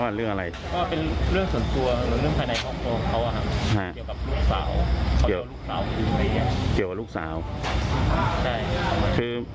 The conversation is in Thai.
ก็เป็นเรื่องส่วนตัวแต่รู้สึกควรอู๋ดเหรอครับ